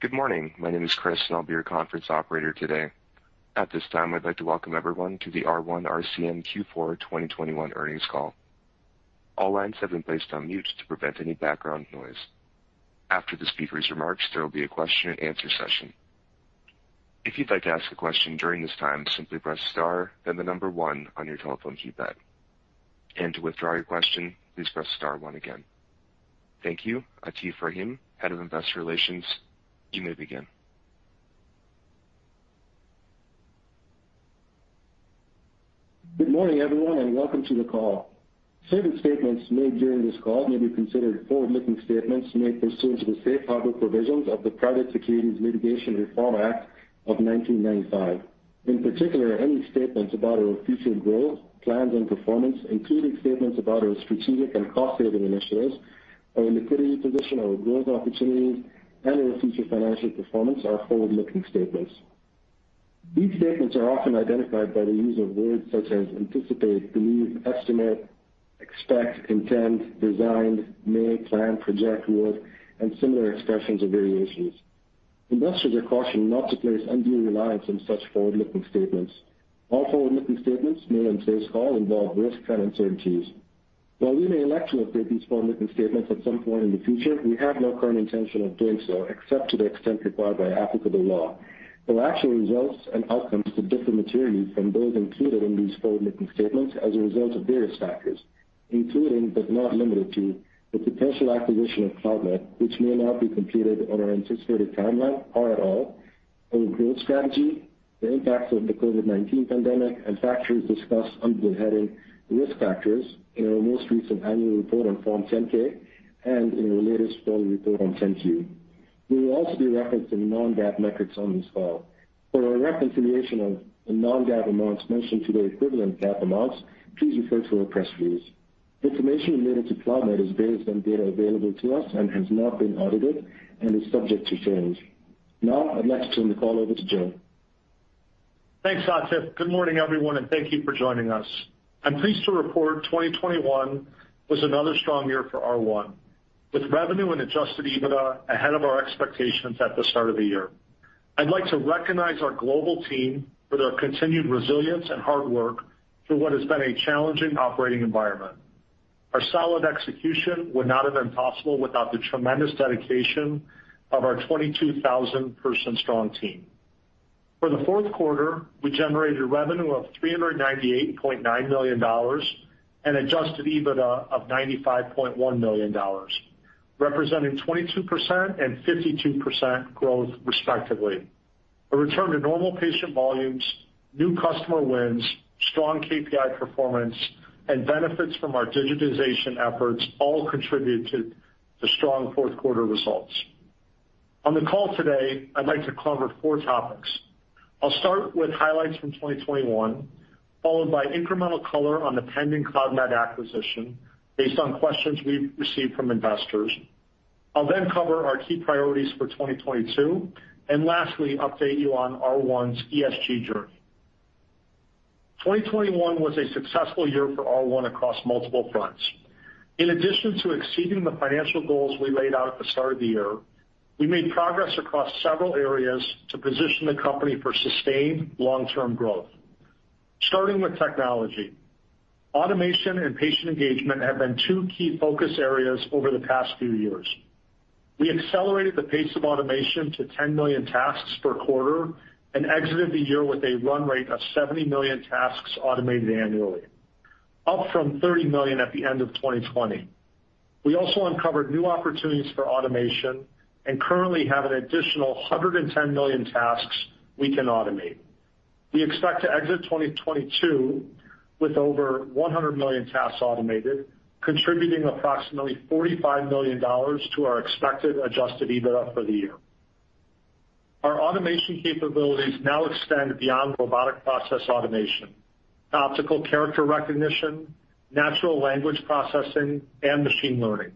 Good morning. My name is Chris, and I'll be your conference operator today. At this time, I'd like to welcome everyone to the R1 RCM Q4 2021 earnings call. All lines have been placed on mute to prevent any background noise. After the speaker's remarks, there will be a question and answer session. If you'd like to ask a question during this time, simply press star, then the number one on your telephone keypad. To withdraw your question, please press star one again. Thank you. Atif Rahim, Head of Investor Relations, you may begin. Good morning, everyone, and welcome to the call. Certain statements made during this call may be considered forward-looking statements made pursuant to the Safe Harbor Provisions of the Private Securities Litigation Reform Act of 1995. In particular, any statements about our future growth, plans and performance, including statements about our strategic and cost-saving initiatives, our liquidity position, our growth opportunities and our future financial performance are forward-looking statements. These statements are often identified by the use of words such as anticipate, believe, estimate, expect, intend, design, may, plan, project, would and similar expressions or variations. Investors are cautioned not to place undue reliance on such forward-looking statements. All forward-looking statements made on today's call involve risks and uncertainties. While we may elect to update these forward-looking statements at some point in the future, we have no current intention of doing so, except to the extent required by applicable law. The actual results and outcomes could differ materially from those included in these forward-looking statements as a result of various factors, including but not limited to the potential acquisition of Cloudmed, which may not be completed on our anticipated timeline or at all, our growth strategy, the impacts of the COVID-19 pandemic, and factors discussed under the heading Risk Factors in our most recent annual report on Form 10-K and in our latest quarterly report on 10-Q. We will also be referencing non-GAAP metrics on this call. For a reconciliation of the non-GAAP amounts mentioned to their equivalent GAAP amounts, please refer to our press release. Information related to Cloudmed is based on data available to us and has not been audited and is subject to change. Now I'd like to turn the call over to Joe. Thanks, Atif. Good morning, everyone, and thank you for joining us. I'm pleased to report 2021 was another strong year for R1, with revenue and adjusted EBITDA ahead of our expectations at the start of the year. I'd like to recognize our global team for their continued resilience and hard work through what has been a challenging operating environment. Our solid execution would not have been possible without the tremendous dedication of our 22,000-person strong team. For the fourth quarter, we generated revenue of $398.9 million and adjusted EBITDA of $95.1 million, representing 22% and 52% growth, respectively. A return to normal patient volumes, new customer wins, strong KPI performance and benefits from our digitization efforts all contributed to the strong fourth quarter results. On the call today, I'd like to cover four topics. I'll start with highlights from 2021, followed by incremental color on the pending Cloudmed acquisition based on questions we've received from investors. I'll then cover our key priorities for 2022 and lastly, update you on R1's ESG journey. 2021 was a successful year for R1 across multiple fronts. In addition to exceeding the financial goals we laid out at the start of the year, we made progress across several areas to position the company for sustained long-term growth. Starting with technology. Automation and patient engagement have been two key focus areas over the past few years. We accelerated the pace of automation to 10 million tasks per quarter and exited the year with a run rate of 70 million tasks automated annually, up from 30 million at the end of 2020. We also uncovered new opportunities for automation and currently have an additional 110 million tasks we can automate. We expect to exit 2022 with over 100 million tasks automated, contributing approximately $45 million to our expected adjusted EBITDA for the year. Our automation capabilities now extend beyond robotic process automation, optical character recognition, natural language processing and machine learning.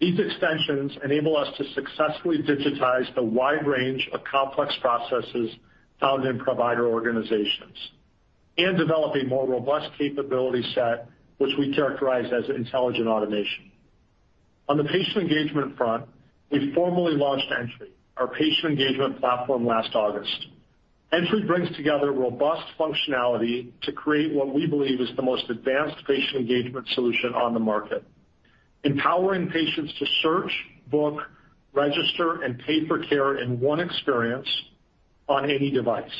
These extensions enable us to successfully digitize the wide range of complex processes found in provider organizations and develop a more robust capability set, which we characterize as intelligent automation. On the patient engagement front, we formally launched Entri, our patient engagement platform, last August. Entri brings together robust functionality to create what we believe is the most advanced patient engagement solution on the market, empowering patients to search, book, register and pay for care in one experience on any device.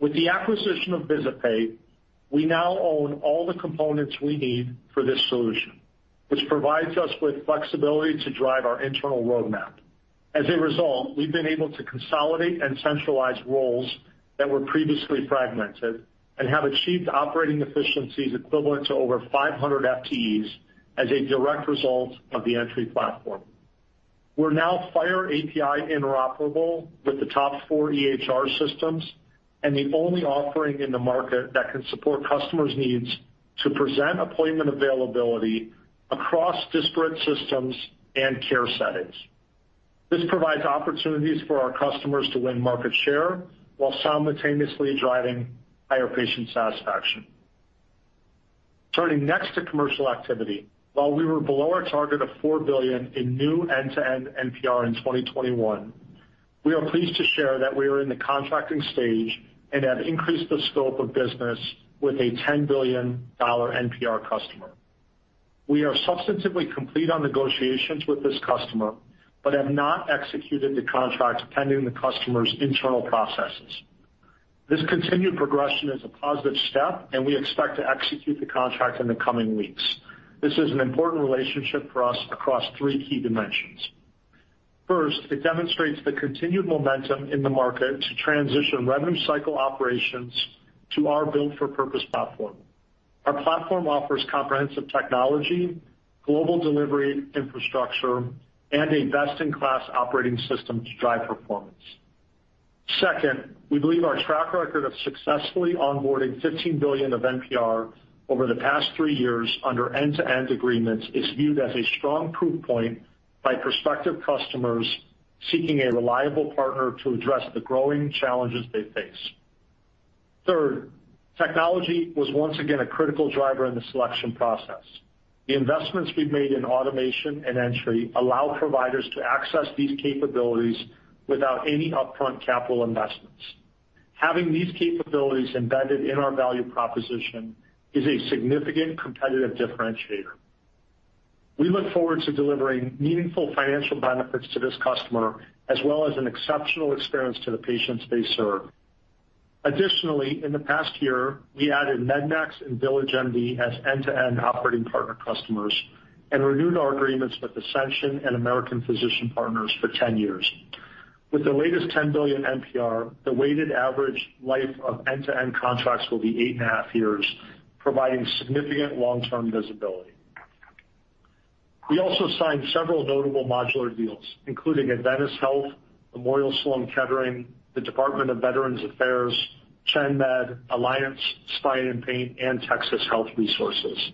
With the acquisition of VisitPay, we now own all the components we need for this solution, which provides us with flexibility to drive our internal roadmap. As a result, we've been able to consolidate and centralize roles that were previously fragmented and have achieved operating efficiencies equivalent to over 500 FTEs as a direct result of the Entri platform. We're now FHIR API interoperable with the top four EHR systems and the only offering in the market that can support customers' needs to present appointment availability across disparate systems and care settings. This provides opportunities for our customers to win market share while simultaneously driving higher patient satisfaction. Turning next to commercial activity. While we were below our target of $4 billion in new end-to-end NPR in 2021, we are pleased to share that we are in the contracting stage and have increased the scope of business with a $10 billion NPR customer. We are substantively complete on negotiations with this customer, but have not executed the contract pending the customer's internal processes. This continued progression is a positive step, and we expect to execute the contract in the coming weeks. This is an important relationship for us across three key dimensions. First, it demonstrates the continued momentum in the market to transition revenue cycle operations to our built-for-purpose platform. Our platform offers comprehensive technology, global delivery infrastructure, and a best-in-class operating system to drive performance. Second, we believe our track record of successfully onboarding $15 billion of NPR over the past three years under end-to-end agreements is viewed as a strong proof point by prospective customers seeking a reliable partner to address the growing challenges they face. Third, technology was once again a critical driver in the selection process. The investments we've made in automation and Entri allow providers to access these capabilities without any upfront capital investments. Having these capabilities embedded in our value proposition is a significant competitive differentiator. We look forward to delivering meaningful financial benefits to this customer, as well as an exceptional experience to the patients they serve. Additionally, in the past year, we added Mednax and VillageMD as end-to-end operating partner customers and renewed our agreements with Ascension and American Physician Partners for 10 years. With the latest $10 billion NPR, the weighted average life of end-to-end contracts will be 8.5 years, providing significant long-term visibility. We also signed several notable modular deals, including Adventist Health, Memorial Sloan Kettering, the Department of Veterans Affairs, ChenMed, Alliance Spine and Pain, and Texas Health Resources.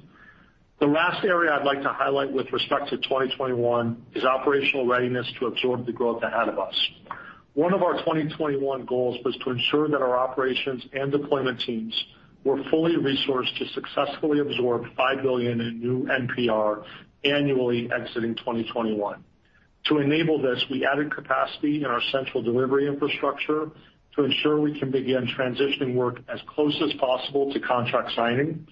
The last area I'd like to highlight with respect to 2021 is operational readiness to absorb the growth ahead of us. One of our 2021 goals was to ensure that our operations and deployment teams were fully resourced to successfully absorb $5 billion in new NPR annually exiting 2021. To enable this, we added capacity in our central delivery infrastructure to ensure we can begin transitioning work as close as possible to contract signing.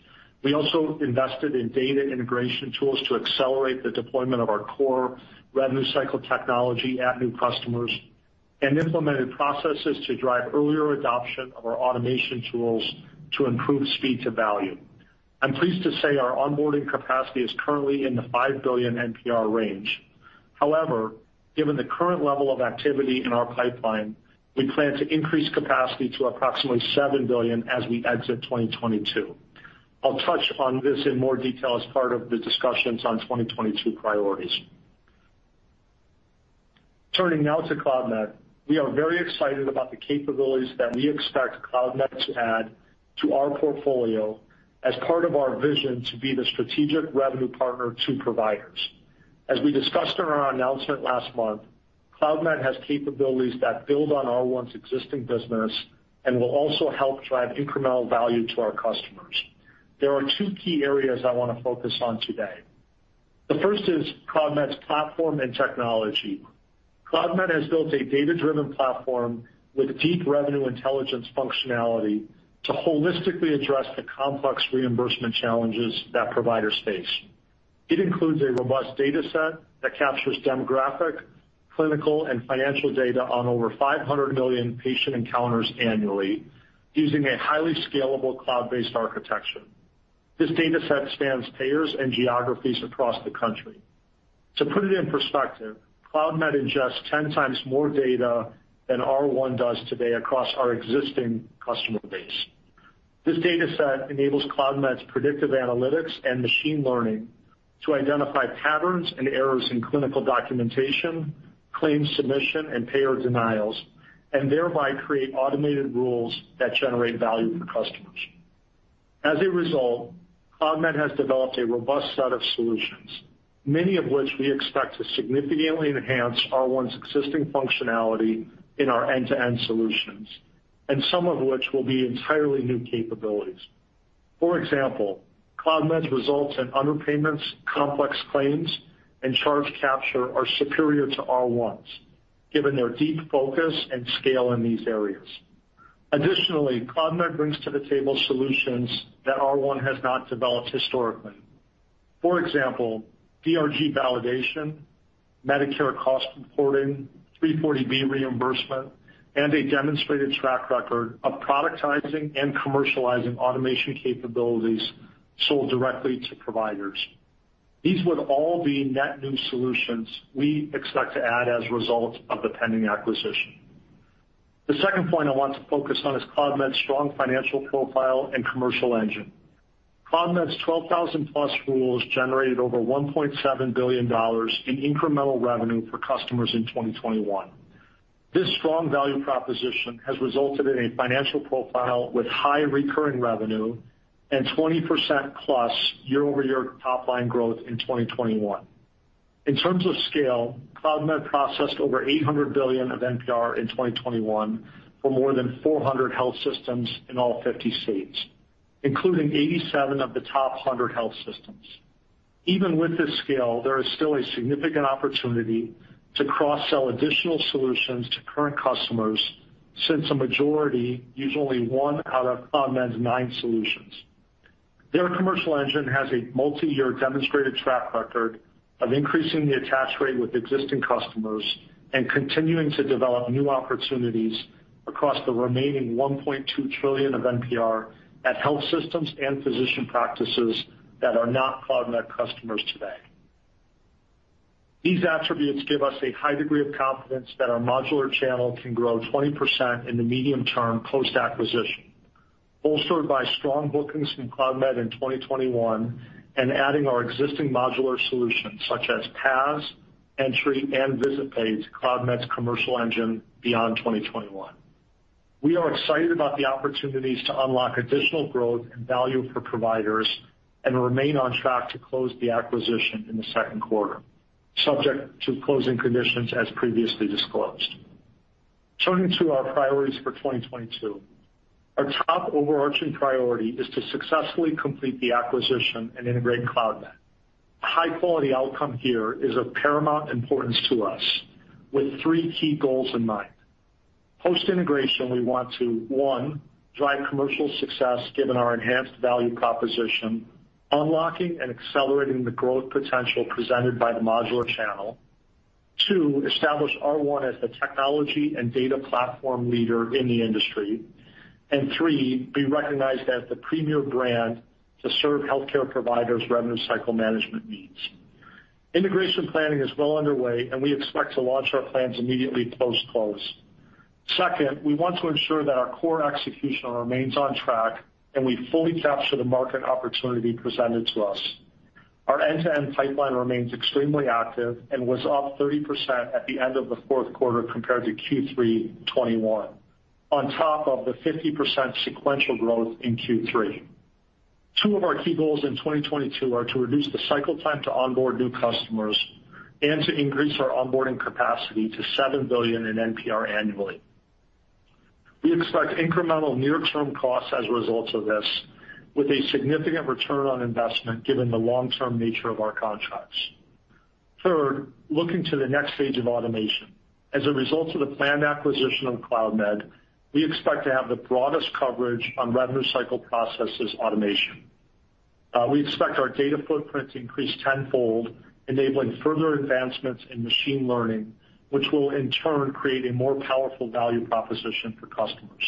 We also invested in data integration tools to accelerate the deployment of our core revenue cycle technology at new customers and implemented processes to drive earlier adoption of our automation tools to improve speed to value. I'm pleased to say our onboarding capacity is currently in the $5 billion NPR range. However, given the current level of activity in our pipeline, we plan to increase capacity to approximately $7 billion as we exit 2022. I'll touch on this in more detail as part of the discussions on 2022 priorities. Turning now to Cloudmed. We are very excited about the capabilities that we expect Cloudmed to add to our portfolio as part of our vision to be the strategic revenue partner to providers. As we discussed in our announcement last month, Cloudmed has capabilities that build on R1's existing business and will also help drive incremental value to our customers. There are two key areas I want to focus on today. The first is Cloudmed's platform and technology. Cloudmed has built a data-driven platform with deep revenue intelligence functionality to holistically address the complex reimbursement challenges that providers face. It includes a robust data set that captures demographic, clinical, and financial data on over 500 million patient encounters annually using a highly scalable cloud-based architecture. This data set spans payers and geographies across the country. To put it in perspective, Cloudmed ingests 10x more data than R1 does today across our existing customer base. This data set enables Cloudmed's predictive analytics and machine learning to identify patterns and errors in clinical documentation, claims submission, and payer denials, and thereby create automated rules that generate value for customers. As a result, Cloudmed has developed a robust set of solutions, many of which we expect to significantly enhance R1's existing functionality in our end-to-end solutions, and some of which will be entirely new capabilities. For example, Cloudmed's results in underpayments, complex claims, and charge capture are superior to R1's, given their deep focus and scale in these areas. Additionally, Cloudmed brings to the table solutions that R1 has not developed historically. For example, DRG Validation, Medicare Cost Reporting, 340B reimbursement, and a demonstrated track record of productizing and commercializing automation capabilities sold directly to providers. These would all be net new solutions we expect to add as a result of the pending acquisition. The second point I want to focus on is Cloudmed's strong financial profile and commercial engine. Cloudmed's 12,000+ rules generated over $1.7 billion in incremental revenue for customers in 2021. This strong value proposition has resulted in a financial profile with high recurring revenue and 20%+ year-over-year top-line growth in 2021. In terms of scale, Cloudmed processed over $800 billion of NPR in 2021 for more than 400 health systems in all 50 states, including 87 of the top 100 health systems. Even with this scale, there is still a significant opportunity to cross-sell additional solutions to current customers since a majority use only one out of Cloudmed's 9 solutions. Their commercial engine has a multi-year demonstrated track record of increasing the attach rate with existing customers and continuing to develop new opportunities across the remaining $1.2 trillion of NPR at health systems and physician practices that are not Cloudmed customers today. These attributes give us a high degree of confidence that our modular channel can grow 20% in the medium term post-acquisition, bolstered by strong bookings from Cloudmed in 2021 and adding our existing modular solutions such as PAS, Entri, and VisitPay to Cloudmed's commercial engine beyond 2021. We are excited about the opportunities to unlock additional growth and value for providers and remain on track to close the acquisition in the second quarter, subject to closing conditions as previously disclosed. Turning to our priorities for 2022. Our top overarching priority is to successfully complete the acquisition and integrate Cloudmed. A high-quality outcome here is of paramount importance to us with three key goals in mind. Post-integration, we want to, one, drive commercial success given our enhanced value proposition, unlocking and accelerating the growth potential presented by the modular channel. Two, establish R1 as the technology and data platform leader in the industry. Three, be recognized as the premier brand to serve healthcare providers' revenue cycle management needs. Integration planning is well underway, and we expect to launch our plans immediately post-close. Second, we want to ensure that our core execution remains on track and we fully capture the market opportunity presented to us. Our end-to-end pipeline remains extremely active and was up 30% at the end of the fourth quarter compared to Q3 2021, on top of the 50% sequential growth in Q3. Two of our key goals in 2022 are to reduce the cycle time to onboard new customers and to increase our onboarding capacity to $7 billion in NPR annually. We expect incremental near-term costs as a result of this, with a significant return on investment given the long-term nature of our contracts. Third, looking to the next stage of automation as a result of the planned acquisition of Cloudmed, we expect to have the broadest coverage on revenue cycle processes automation. We expect our data footprint to increase tenfold, enabling further advancements in machine learning, which will in turn create a more powerful value proposition for customers.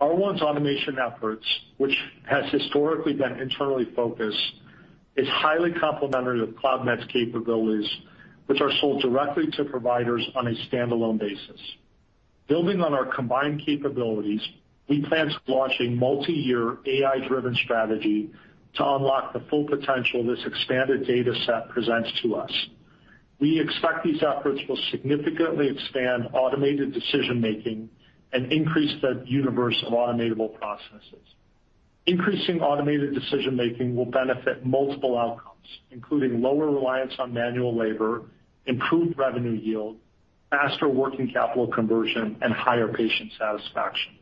R1's automation efforts, which has historically been internally focused, is highly complementary to Cloudmed's capabilities, which are sold directly to providers on a standalone basis. Building on our combined capabilities, we plan to launch a multi-year AI-driven strategy to unlock the full potential this expanded data set presents to us. We expect these efforts will significantly expand automated decision-making and increase the universe of automatable processes. Increasing automated decision-making will benefit multiple outcomes, including lower reliance on manual labor, improved revenue yield, faster working capital conversion, and higher patient satisfaction.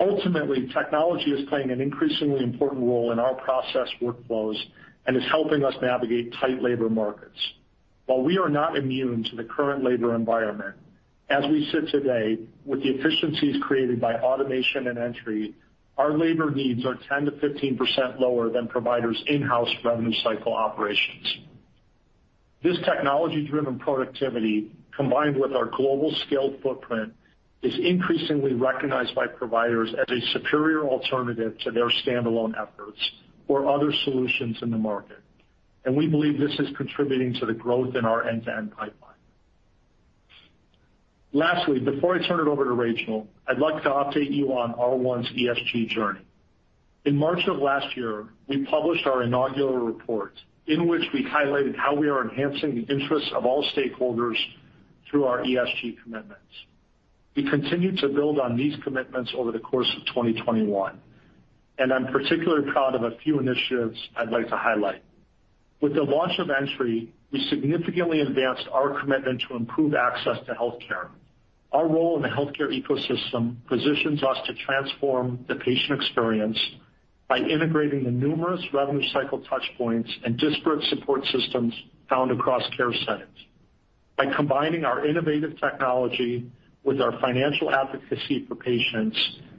Ultimately, technology is playing an increasingly important role in our process workflows and is helping us navigate tight labor markets. While we are not immune to the current labor environment, as we sit today, with the efficiencies created by automation and Entri, our labor needs are 10% to 15% lower than providers' in-house revenue cycle operations. This technology-driven productivity, combined with our global scale footprint, is increasingly recognized by providers as a superior alternative to their standalone efforts or other solutions in the market. We believe this is contributing to the growth in our end-to-end pipeline. Lastly, before I turn it over to Rachel, I'd like to update you on R1's ESG journey. In March of last year, we published our inaugural report in which we highlighted how we are enhancing the interests of all stakeholders through our ESG commitments. We continued to build on these commitments over the course of 2021, and I'm particularly proud of a few initiatives I'd like to highlight. With the launch of Entri, we significantly advanced our commitment to improve access to healthcare. Our role in the healthcare ecosystem positions us to transform the patient experience by integrating the numerous revenue cycle touch points and disparate support systems found across care settings. By combining our innovative technology with our financial advocacy for patients,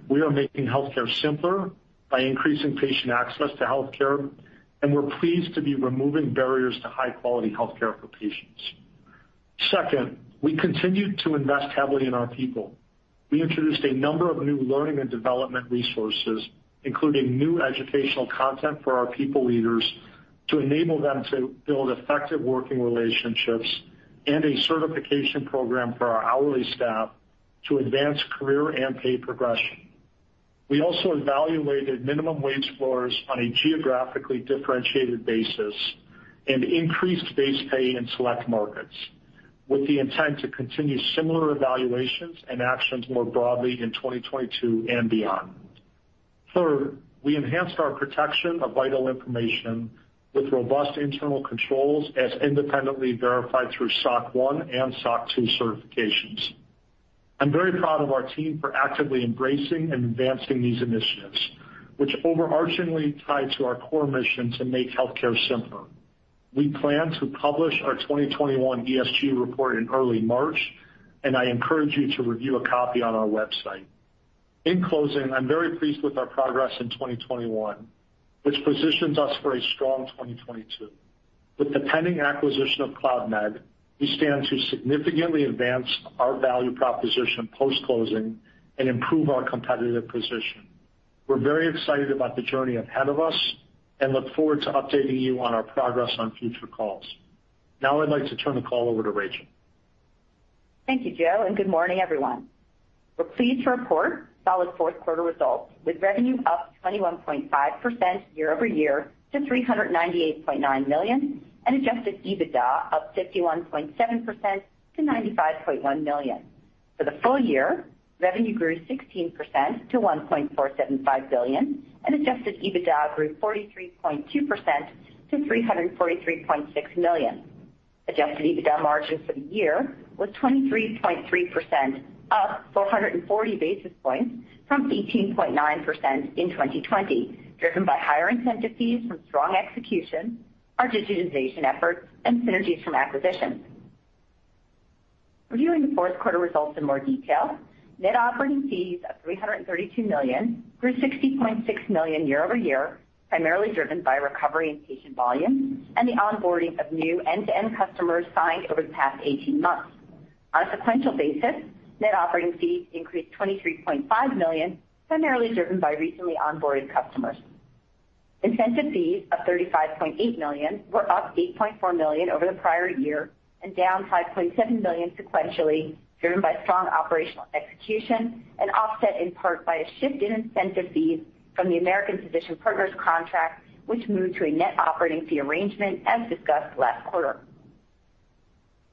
we are making healthcare simpler by increasing patient access to healthcare, and we're pleased to be removing barriers to high-quality healthcare for patients. Second, we continued to invest heavily in our people. We introduced a number of new learning and development resources, including new educational content for our people leaders to enable them to build effective working relationships and a certification program for our hourly staff to advance career and pay progression. We also evaluated minimum wage floors on a geographically differentiated basis and increased base pay in select markets with the intent to continue similar evaluations and actions more broadly in 2022 and beyond. Third, we enhanced our protection of vital information with robust internal controls as independently verified through SOC 1 and SOC 2 certifications. I'm very proud of our team for actively embracing and advancing these initiatives, which overarchingly tie to our core mission to make healthcare simpler. We plan to publish our 2021 ESG report in early March, and I encourage you to review a copy on our website. In closing, I'm very pleased with our progress in 2021, which positions us for a strong 2022. With the pending acquisition of Cloudmed, we stand to significantly advance our value proposition post-closing and improve our competitive position. We're very excited about the journey ahead of us and look forward to updating you on our progress on future calls. Now I'd like to turn the call over to Rachel. Thank you, Joe, and good morning, everyone. We're pleased to report solid fourth quarter results with revenue up 21.5% year-over-year to $398.9 million and adjusted EBITDA up 61.7% to $95.1 million. For the full year, revenue grew 16% to $1.475 billion and adjusted EBITDA grew 43.2% to $343.6 million. Adjusted EBITDA margin for the year was 23.3%, up 440 basis points from 18.9% in 2020, driven by higher incentive fees from strong execution, our digitization efforts, and synergies from acquisitions. Reviewing the fourth quarter results in more detail, net operating fees of $332 million grew $60.6 million year-over-year, primarily driven by recovery in patient volume and the onboarding of new end-to-end customers signed over the past 18 months. On a sequential basis, net operating fees increased $23.5 million, primarily driven by recently onboarded customers. Incentive fees of $35.8 million were up $8.4 million over the prior year and down $5.7 million sequentially, driven by strong operational execution and offset in part by a shift in incentive fees from the American Physician Partners contract, which moved to a net operating fee arrangement as discussed last quarter.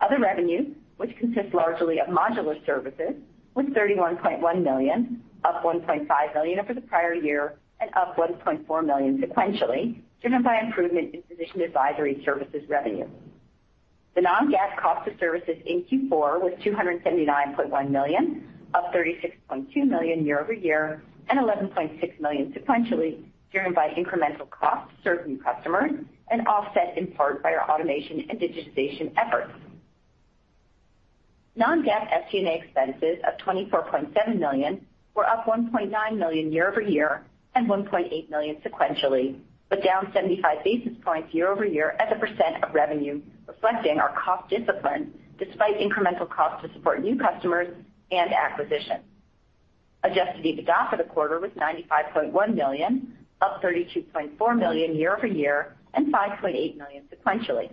Other revenue, which consists largely of modular services, was $31.1 million, up $1.5 million over the prior year and up $1.4 million sequentially, driven by improvement in physician advisory services revenue. The non-GAAP cost of services in Q4 was $279.1 million, up $36.2 million year-over-year and $11.6 million sequentially, driven by incremental costs to serve new customers and offset in part by our automation and digitization efforts. Non-GAAP SG&A expenses of $24.7 million were up $1.9 million year-over-year and $1.8 million sequentially, but down 75 basis points year-over-year as a percent of revenue, reflecting our cost discipline despite incremental costs to support new customers and acquisitions. Adjusted EBITDA for the quarter was $95.1 million, up $32.4 million year-over-year and $5.8 million sequentially.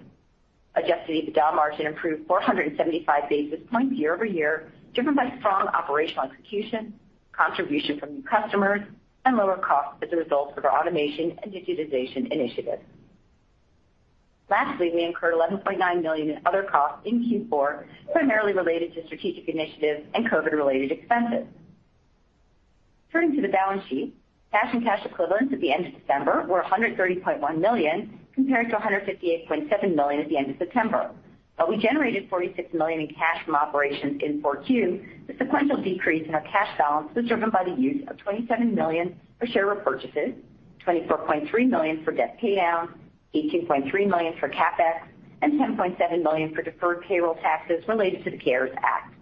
Adjusted EBITDA margin improved 475 basis points year-over-year, driven by strong operational execution, contribution from new customers, and lower costs as a result of our automation and digitization initiatives. Lastly, we incurred $11.9 million in other costs in Q4, primarily related to strategic initiatives and COVID-related expenses. Turning to the balance sheet, cash and cash equivalents at the end of December were $130.1 million, compared to $158.7 million at the end of September. While we generated $46 million in cash from operations in 4Q, the sequential decrease in our cash balance was driven by the use of $27 million for share repurchases, $24.3 million for debt pay down, $18.3 million for CapEx, and $10.7 million for deferred payroll taxes related to the CARES Act.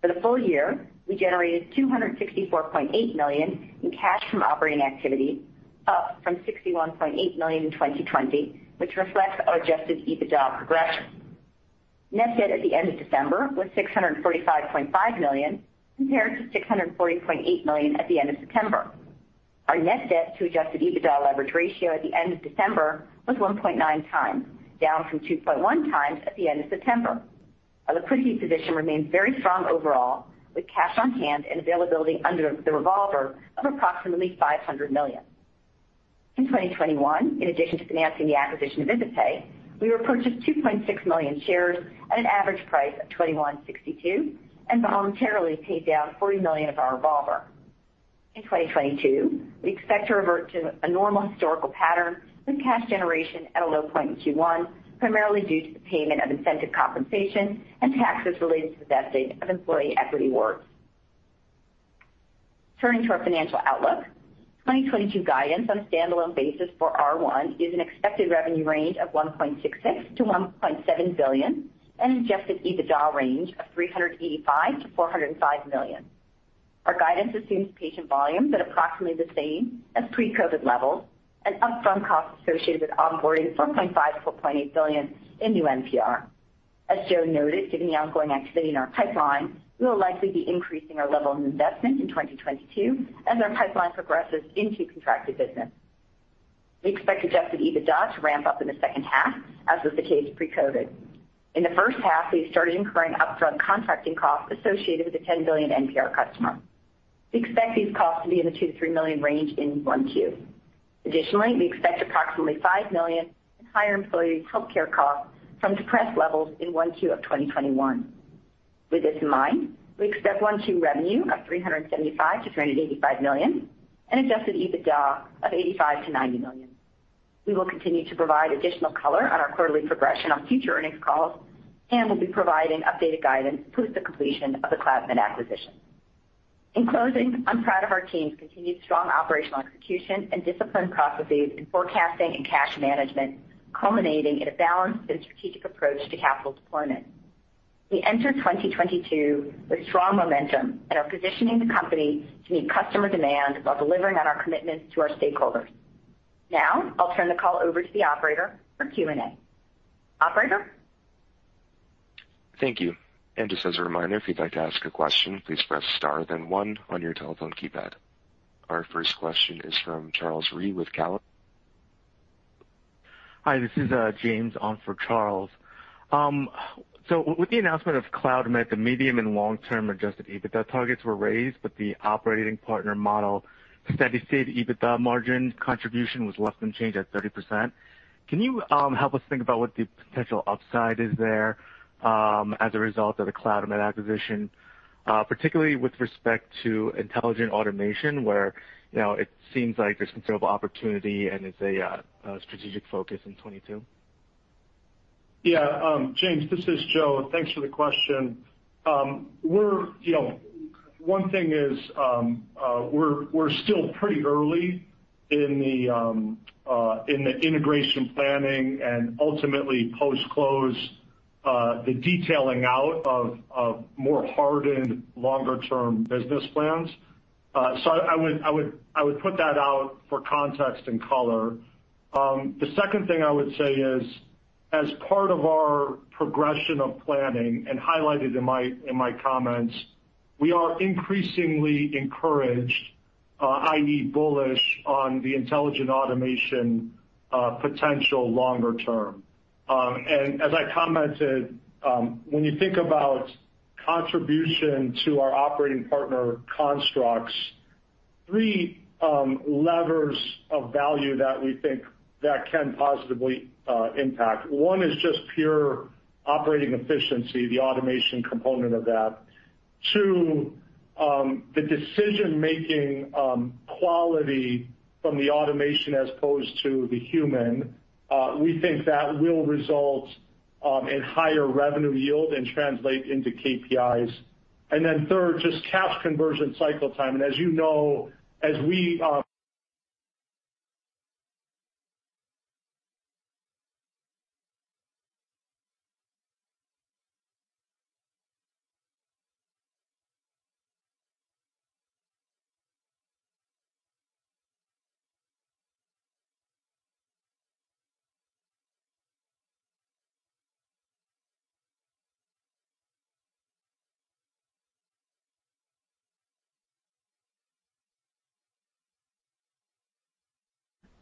For the full year, we generated $264.8 million in cash from operating activity, up from $61.8 million in 2020, which reflects our adjusted EBITDA progression. Net debt at the end of December was $645.5 million, compared to $640.8 million at the end of September. Our net debt to adjusted EBITDA leverage ratio at the end of December was 1.9x, down from 2.1x at the end of September. Our liquidity position remains very strong overall with cash on hand and availability under the revolver of approximately $500 million. In 2021, in addition to financing the acquisition of VisitPay, we repurchased 2.6 million shares at an average price of $21.62 and voluntarily paid down $40 million of our revolver. In 2022, we expect to revert to a normal historical pattern with cash generation at a low point in Q1, primarily due to the payment of incentive compensation and taxes related to the vesting of employee equity awards. Turning to our financial outlook. 2022 guidance on a standalone basis for R1 is an expected revenue range of $1.66 billion to $1.7 billion and an adjusted EBITDA range of $385 million to $405 million. Our guidance assumes patient volumes at approximately the same as pre-COVID levels and upfront costs associated with onboarding $4.5 billion to $4.8 billion in new NPR. As Joe noted, given the ongoing activity in our pipeline, we will likely be increasing our level of investment in 2022 as our pipeline progresses into contracted business. We expect adjusted EBITDA to ramp up in the second half, as was the case pre-COVID. In the first half, we started incurring upfront contracting costs associated with the $10 billion NPR customer. We expect these costs to be in the $2 million to $3 million range in 1Q. Additionally, we expect approximately $5 million in higher employee healthcare costs from depressed levels in 1Q of 2021. With this in mind, we expect Q2 revenue of $375 million to $385 million and adjusted EBITDA of $85 million to $90 million. We will continue to provide additional color on our quarterly progression on future earnings calls, and we'll be providing updated guidance post the completion of the Cloudmed acquisition. In closing, I'm proud of our team's continued strong operational execution and disciplined processes in forecasting and cash management, culminating in a balanced and strategic approach to capital deployment. We enter 2022 with strong momentum and are positioning the company to meet customer demand while delivering on our commitment to our stakeholders. Now, I'll turn the call over to the operator for Q&A. Operator? Thank you. Just as a reminder, if you'd like to ask a question, please press star then one on your telephone keypad. Our first question is from Charles Rhyee with Cowen. Hi, this is James on for Charles. With the announcement of Cloudmed, the medium and long-term adjusted EBITDA targets were raised, but the operating partner model steady-state EBITDA margin contribution was less than changed at 30%. Can you help us think about what the potential upside is there, as a result of the Cloudmed acquisition, particularly with respect to intelligent automation, where, you know, it seems like there's considerable opportunity and it's a strategic focus in 2022? Yeah, James, this is Joe. Thanks for the question. We're, you know, one thing is, we're still pretty early in the integration planning and ultimately post-close, the detailing out of more hardened longer-term business plans. I would put that out for context and color. The second thing I would say is, as part of our progression of planning and highlighted in my comments, we are increasingly encouraged, i.e. bullish on the intelligent automation potential longer term. As I commented, when you think about contribution to our operating partner constructs, three levers of value that we think that can positively impact. One is just pure operating efficiency, the automation component of that. Two, the decision-making quality from the automation as opposed to the human, we think that will result in higher revenue yield and translate into KPIs. Third, just cash conversion cycle time. As you know,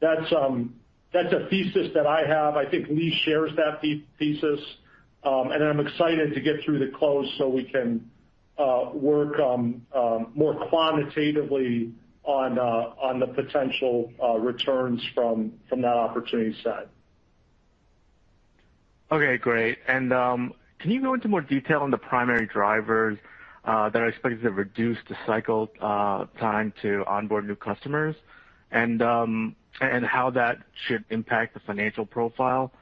that's a thesis that I have. I think Lee shares that thesis, and I'm excited to get through the close so we can work more quantitatively on the potential returns from that opportunity set. Okay, great. Can you go into more detail on the primary drivers that are expected to reduce the cycle time to onboard new customers, and how that should impact the financial profile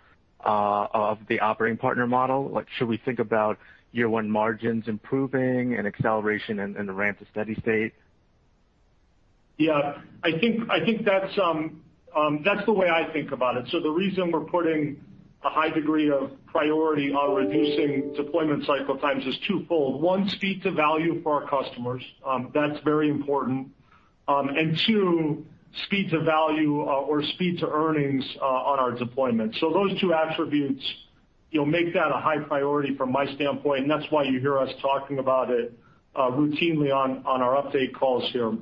of the operating partner model? Like, should we think about year one margins improving and acceleration in the ramp to steady state? Yeah. I think that's the way I think about it. The reason we're putting a high degree of priority on reducing deployment cycle times is twofold. One, speed to value for our customers, that's very important. And two, speed to value or speed to earnings on our deployment. Those two attributes, you'll make that a high priority from my standpoint, and that's why you hear us talking about it routinely on our update calls here.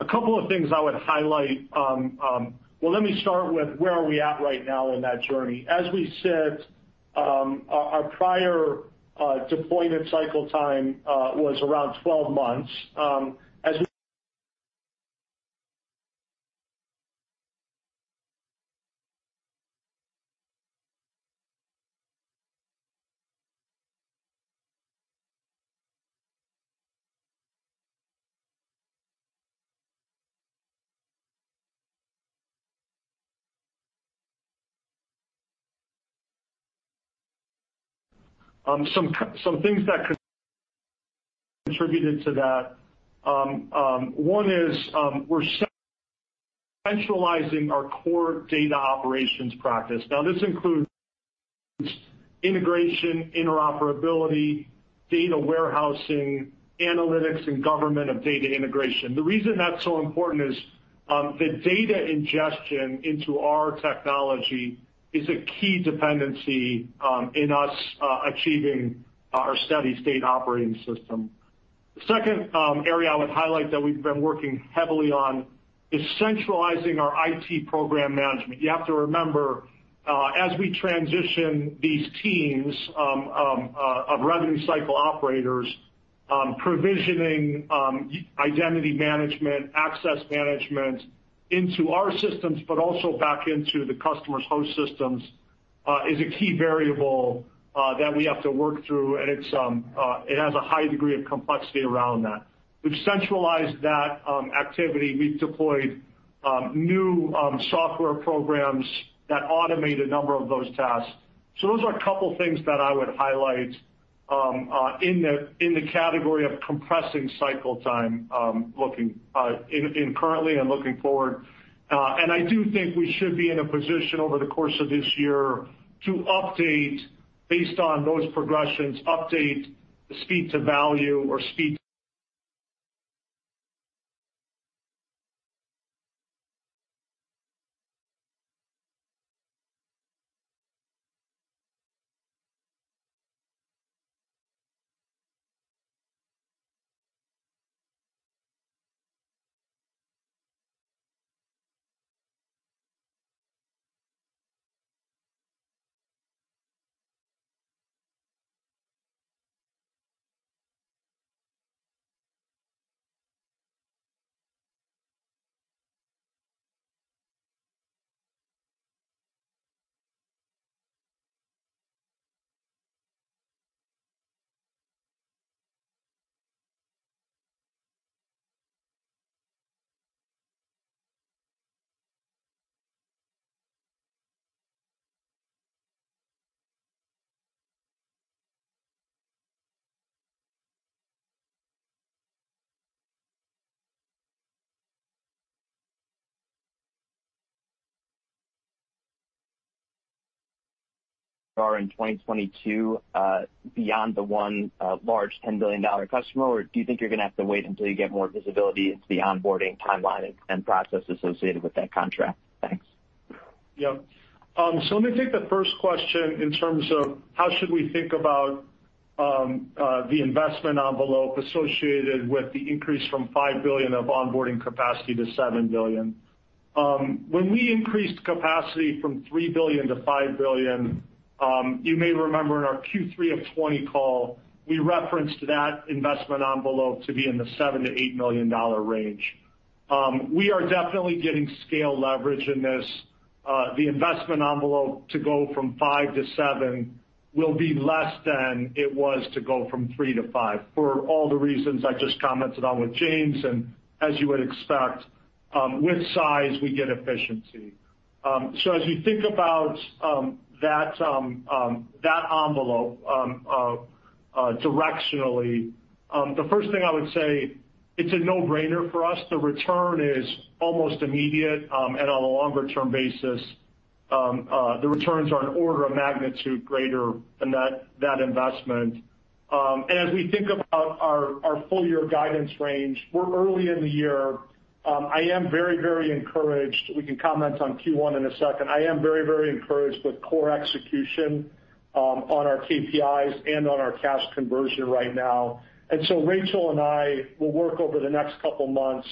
A couple of things I would highlight. Well, let me start with where are we at right now in that journey. As we said, our prior deployment cycle time was around 12 months. Some things that contributed to that, one is, we're centralizing our core data operations practice. Now, this includes integration, interoperability, data warehousing, analytics, and governance of data integration. The reason that's so important is, the data ingestion into our technology is a key dependency in achieving our steady state operating system. The second area I would highlight that we've been working heavily on is centralizing our IT program management. You have to remember, as we transition these teams of revenue cycle operators, provisioning identity management, access management into our systems, but also back into the customer's host systems, is a key variable that we have to work through, and it has a high degree of complexity around that. We've centralized that activity. We've deployed new software programs that automate a number of those tasks. Those are a couple of things that I would highlight in the category of compressing cycle time, looking currently and looking forward. I do think we should be in a position over the course of this year to update based on those progressions, update the speed to value or speed- Are in 2022, beyond the one large $10 billion customer? Or do you think you're gonna have to wait until you get more visibility into the onboarding timeline and process associated with that contract? Thanks. Yeah. So let me take the first question in terms of how should we think about the investment envelope associated with the increase from $5 billion of onboarding capacity to $7 billion. When we increased capacity from $3 billion to $5 billion, you may remember in our Q3 of 2020 call, we referenced that investment envelope to be in the $7 million to $8 million range. We are definitely getting scale leverage in this. The investment envelope to go from $5 billion to $7 billion will be less than it was to go from $3 billion to $5 billion for all the reasons I just commented on with James. As you would expect, with size, we get efficiency. So as you think about that envelope, directionally, the first thing I would say, it's a no-brainer for us. The return is almost immediate, and on a longer-term basis, the returns are an order of magnitude greater than that investment. As we think about our full year guidance range, we're early in the year. I am very, very encouraged. We can comment on Q1 in a second. I am very, very encouraged with core execution on our KPIs and on our cash conversion right now. Rachel and I will work over the next couple of months,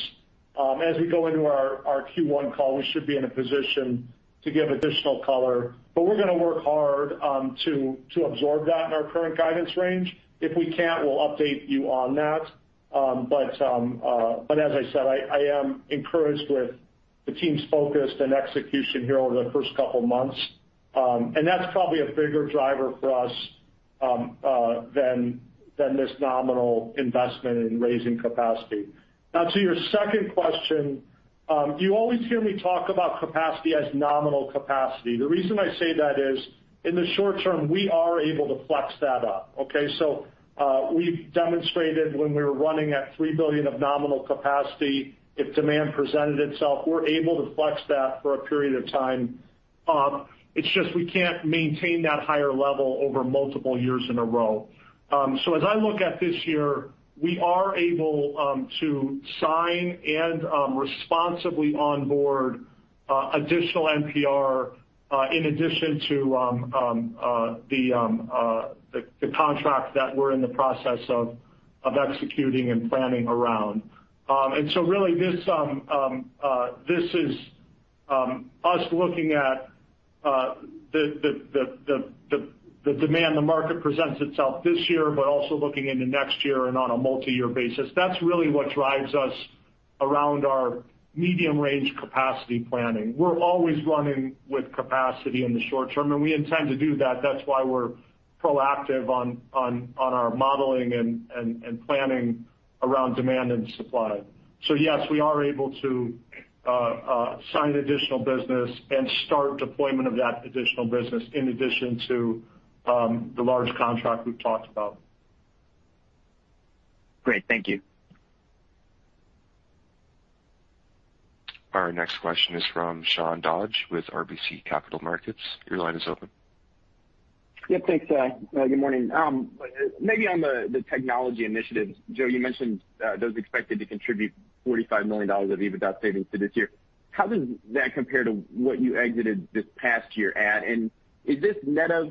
as we go into our Q1 call, we should be in a position to give additional color. We're gonna work hard to absorb that in our current guidance range. If we can't, we'll update you on that. As I said, I am encouraged with the team's focus and execution here over the first couple of months. That's probably a bigger driver for us than this nominal investment in raising capacity. Now to your second question, you always hear me talk about capacity as nominal capacity. The reason I say that is in the short term, we are able to flex that up, okay? We've demonstrated when we were running at $3 billion of nominal capacity, if demand presented itself, we're able to flex that for a period of time. It's just we can't maintain that higher level over multiple years in a row. As I look at this year, we are able to sign and responsibly onboard additional NPR in addition to the contract that we're in the process of executing and planning around. Really this is us looking at the demand the market presents itself this year, but also looking into next year and on a multi-year basis. That's really what drives us around our medium range capacity planning. We're always running with capacity in the short term, and we intend to do that. That's why we're proactive on our modeling and planning around demand and supply. Yes, we are able to sign additional business and start deployment of that additional business in addition to the large contract we've talked about. Great. Thank you. Our next question is from Sean Dodge with RBC Capital Markets. Your line is open. Yeah, thanks. Good morning. Maybe on the technology initiatives, Joe, you mentioned those expected to contribute $45 million of EBITDA savings to this year. How does that compare to what you exited this past year at? Is this net of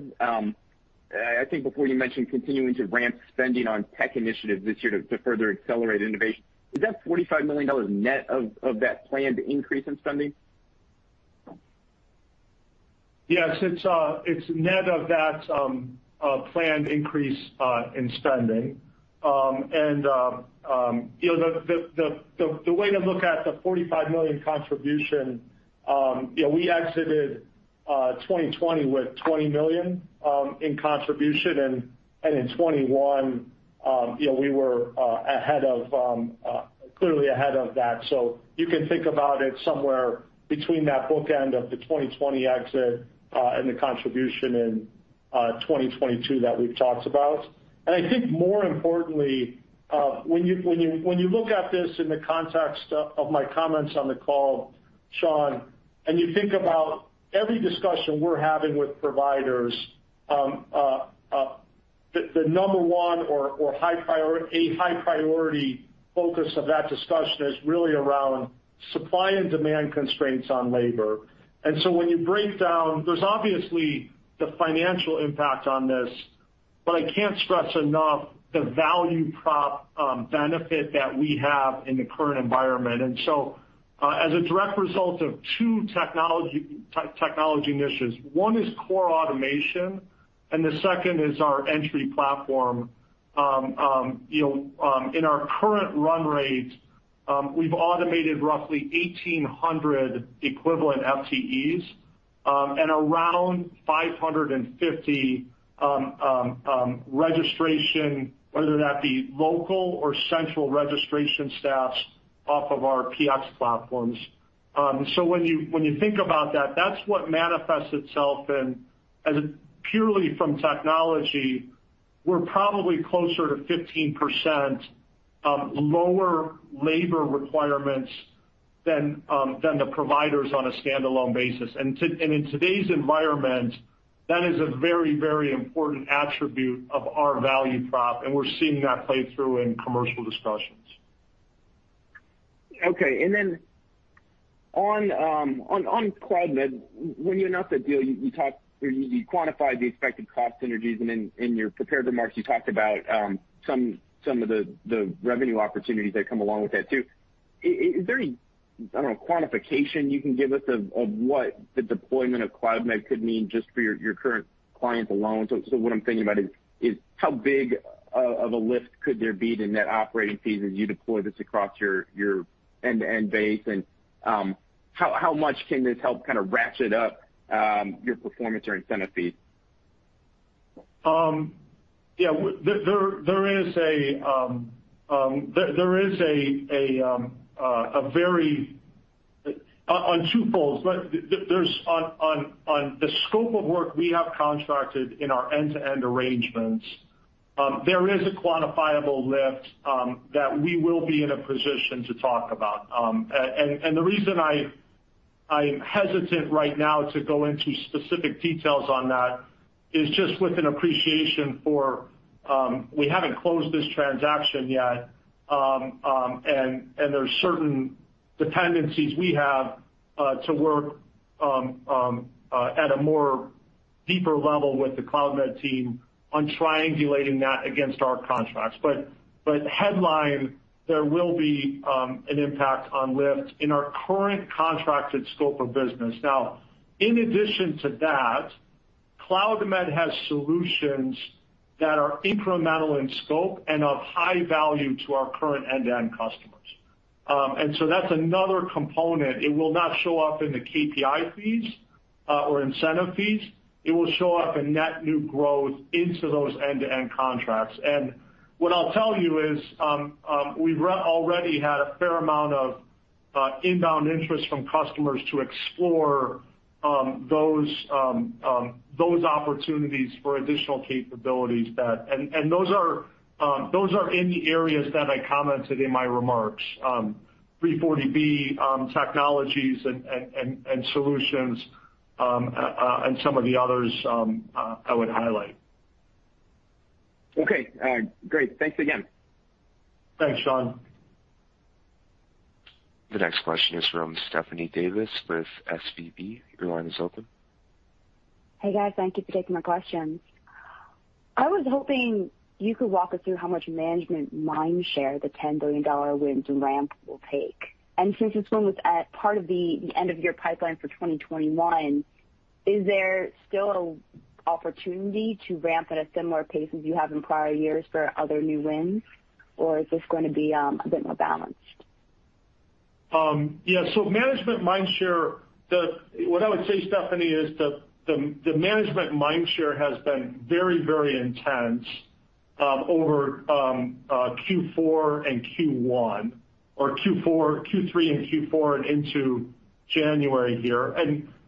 I think before you mentioned continuing to ramp spending on tech initiatives this year to further accelerate innovation. Is that $45 million net of that planned increase in spending? Yes. It's net of that planned increase in spending. You know, the way to look at the $45 million contribution, you know, we exited 2020 with $20 million in contribution, and in 2021, you know, we were clearly ahead of that. You can think about it somewhere between that bookend of the 2020 exit and the contribution in 2022 that we've talked about. I think more importantly, when you look at this in the context of my comments on the call, Sean, and you think about every discussion we're having with providers, the number one or a high priority focus of that discussion is really around supply and demand constraints on labor. When you break down, there's obviously the financial impact on this, but I can't stress enough the value prop benefit that we have in the current environment. As a direct result of two technology initiatives, one is core automation, and the second is our Entri platform. You know, in our current run rates, we've automated roughly 1,800 equivalent FTEs, and around 550 registration, whether that be local or central registration staffs off of our PX platforms. When you think about that's what manifests itself in as purely from technology, we're probably closer to 15% lower labor requirements than the providers on a standalone basis. In today's environment, that is a very, very important attribute of our value prop, and we're seeing that play through in commercial discussions. Okay. Then on Cloudmed, when you announced that deal, you talked or you quantified the expected cost synergies, and in your prepared remarks, you talked about some of the revenue opportunities that come along with that too. Is there any, I don't know, quantification you can give us of what the deployment of Cloudmed could mean just for your current clients alone? What I'm thinking about is how big of a lift could there be to net operating fees as you deploy this across your end-to-end base? How much can this help kind of ratchet up your performance or incentive fees? On two folds. There's, on the scope of work we have contracted in our end-to-end arrangements, there is a quantifiable lift that we will be in a position to talk about. The reason I'm hesitant right now to go into specific details on that is just with an appreciation for we haven't closed this transaction yet, and there's certain dependencies we have to work at a more deeper level with the Cloudmed team on triangulating that against our contracts. Headline, there will be an impact on lift in our current contracted scope of business. Now, in addition to that, Cloudmed has solutions that are incremental in scope and of high value to our current end-to-end customers. That's another component. It will not show up in the KPI fees or incentive fees. It will show up in net new growth into those end-to-end contracts. What I'll tell you is, we've already had a fair amount of inbound interest from customers to explore those opportunities for additional capabilities that those are in the areas that I commented in my remarks, 340B technologies and solutions and some of the others I would highlight. Okay. Great. Thanks again. Thanks, Sean. The next question is from Stephanie Davis with SVB. Your line is open. Hey, guys. Thank you for taking my questions. I was hoping you could walk us through how much management mindshare the $10 billion wins and ramp will take. Since this one was a part of the end of year pipeline for 2021, is there still opportunity to ramp at a similar pace as you have in prior years for other new wins, or is this gonna be a bit more balanced? Management mindshare. What I would say, Stephanie, is the management mindshare has been very intense over Q3 and Q4 and into January here.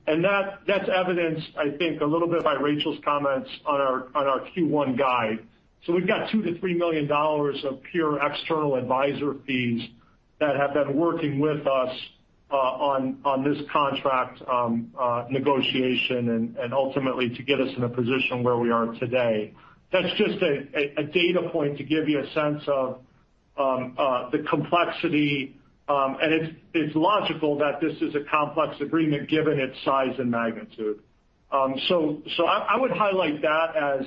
That that's evidenced, I think, a little bit by Rachel's comments on our Q1 guide. We've got $2 million to $3 million of pure external advisor fees that have been working with us on this contract negotiation and ultimately to get us in a position where we are today. That's just a data point to give you a sense of the complexity, and it's logical that this is a complex agreement given its size and magnitude. So I would highlight that as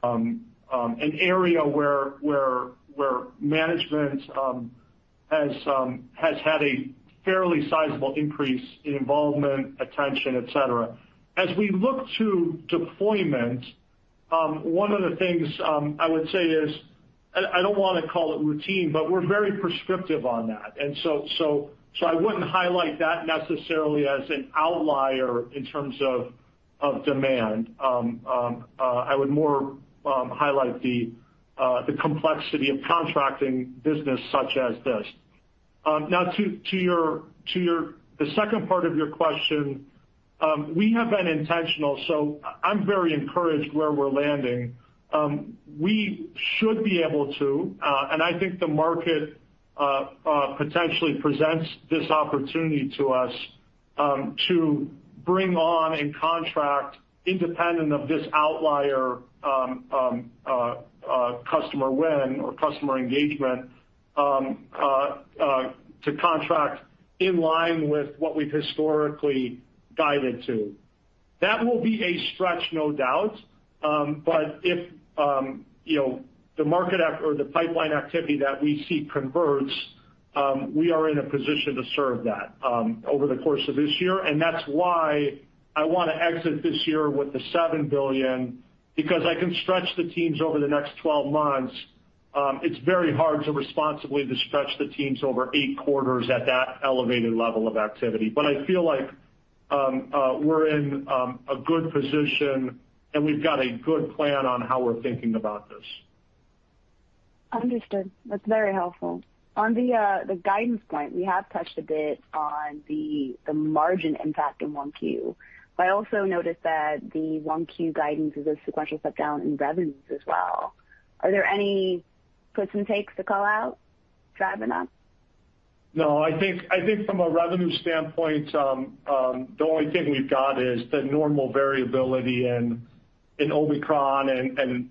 an area where management has had a fairly sizable increase in involvement, attention, et cetera. As we look to deployment, one of the things I would say is I don't wanna call it routine, but we're very prescriptive on that. So I wouldn't highlight that necessarily as an outlier in terms of demand. I would more highlight the complexity of contracting business such as this. Now to the second part of your question, we have been intentional, so I'm very encouraged where we're landing. We should be able to, and I think the market potentially presents this opportunity to us, to bring on and contract independent of this outlier customer win or customer engagement, to contract in line with what we've historically guided to. That will be a stretch, no doubt. If you know the market acts or the pipeline activity that we see converts, we are in a position to serve that over the course of this year. That's why I wanna exit this year with the $7 billion because I can stretch the teams over the next 12 months. It's very hard to responsibly stretch the teams over eight quarters at that elevated level of activity. I feel like we're in a good position, and we've got a good plan on how we're thinking about this. Understood. That's very helpful. On the guidance point, we have touched a bit on the margin impact in 1Q, but I also noticed that the 1Q guidance is a sequential step down in revenues as well. Are there any gives and takes to call out driving that? No. I think from a revenue standpoint, the only thing we've got is the normal variability in Omicron and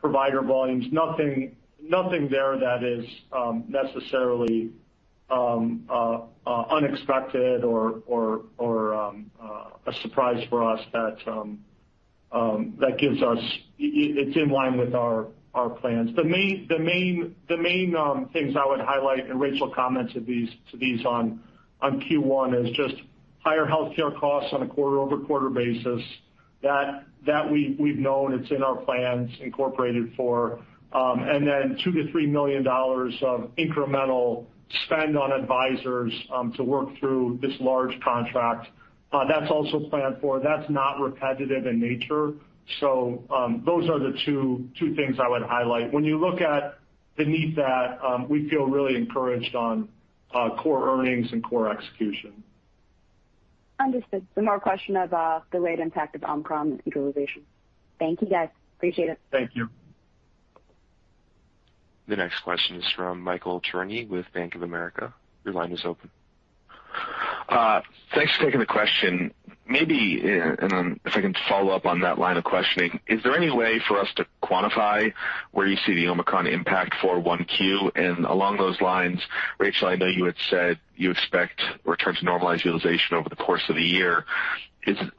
provider volumes. Nothing there that is necessarily unexpected or a surprise for us. It's in line with our plans. The main things I would highlight, and Rachel comments to these on Q1, is just higher healthcare costs on a quarter-over-quarter basis that we've known, it's in our plans incorporated for. $2 million to $3 million of incremental spend on advisors to work through this large contract. That's also planned for. That's not repetitive in nature. Those are the two things I would highlight. When you look beneath that, we feel really encouraged on core earnings and core execution. Understood. It's more a question of delayed impact of Omicron utilization. Thank you, guys. Appreciate it. Thank you. The next question is from Michael Cherny with Bank of America. Your line is open. Thanks for taking the question. Maybe, and then if I can follow up on that line of questioning, is there any way for us to quantify where you see the Omicron impact for 1 Q? And along those lines, Rachel, I know you had said you expect return to normalized utilization over the course of the year.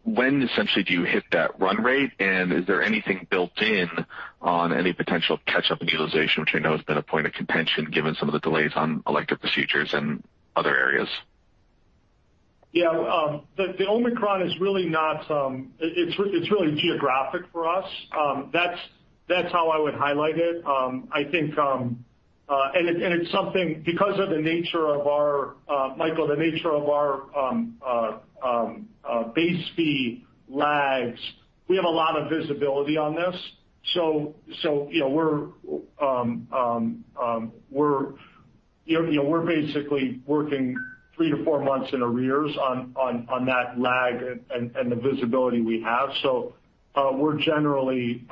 When essentially do you hit that run rate? And is there anything built in on any potential catch-up in utilization, which I know has been a point of contention given some of the delays on elective procedures and other areas? The Omicron is really not. It's really geographic for us. That's how I would highlight it. I think and it's something because of the nature of our model, Michael, the nature of our base fee lags, we have a lot of visibility on this. You know, we're basically working three to four months in arrears on that lag and the visibility we have. We're generally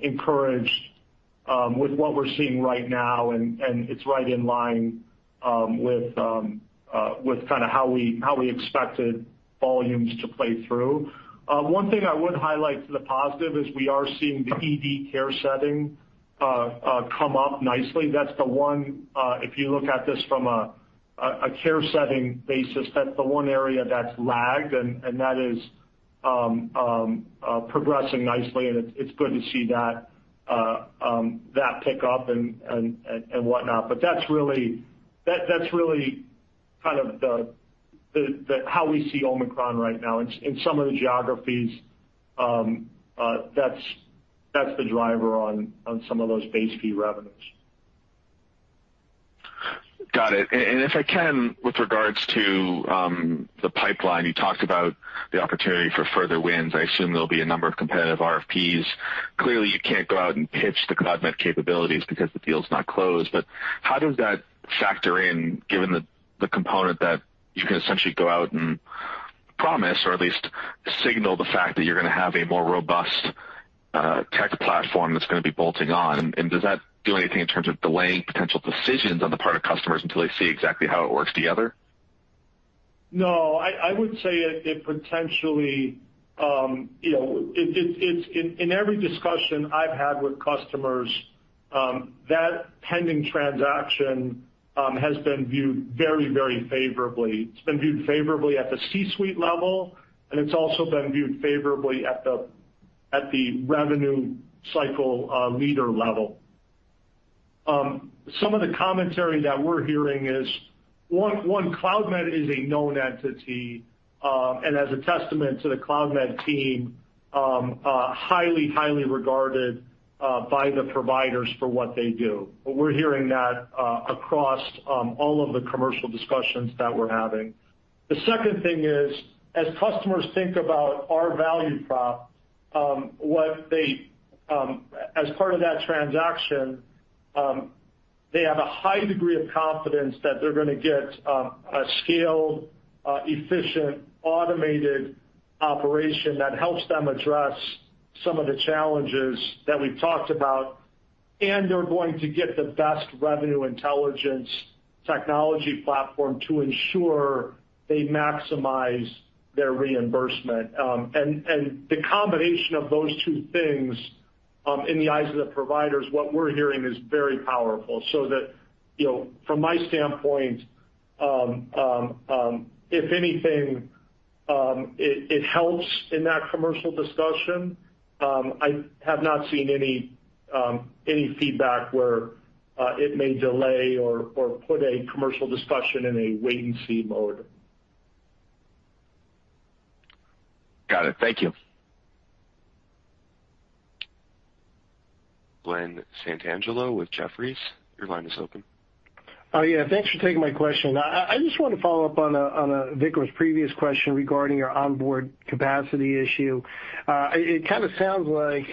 encouraged with what we're seeing right now, and it's right in line with kinda how we expected volumes to play through. One thing I would highlight to the positive is we are seeing the ED care setting come up nicely. That's the one, if you look at this from a care setting basis, that's the one area that's lagged and that is progressing nicely, and it's good to see that pick up and whatnot. But that's really kind of how we see Omicron right now. In some of the geographies, that's the driver on some of those base fee revenues. Got it. If I can, with regards to the pipeline, you talked about the opportunity for further wins. I assume there'll be a number of competitive RFPs. Clearly, you can't go out and pitch the Cloudmed capabilities because the deal's not closed. How does that factor in given the component that you can essentially go out and promise or at least signal the fact that you're gonna have a more robust tech platform that's gonna be bolting on? Does that do anything in terms of delaying potential decisions on the part of customers until they see exactly how it works together? No. I would say it potentially. It's in every discussion I've had with customers, that pending transaction has been viewed very favorably. It's been viewed favorably at the C-suite level, and it's also been viewed favorably at the revenue cycle leader level. Some of the commentary that we're hearing is, one, Cloudmed is a known entity, and as a testament to the Cloudmed team, highly regarded by the providers for what they do. But we're hearing that across all of the commercial discussions that we're having. The second thing is, as customers think about our value prop, what they, as part of that transaction, they have a high degree of confidence that they're gonna get a scaled, efficient, automated operation that helps them address some of the challenges that we've talked about, and they're going to get the best revenue intelligence technology platform to ensure they maximize their reimbursement. The combination of those two things, in the eyes of the providers, what we're hearing is very powerful so that, you know, from my standpoint, if anything, it helps in that commercial discussion. I have not seen any feedback where it may delay or put a commercial discussion in a wait-and-see mode. Got it. Thank you. Glen Santangelo with Jefferies. Your line is open. Yeah, thanks for taking my question. I just want to follow up on Vikram's previous question regarding your onboard capacity issue. It kinda sounds like,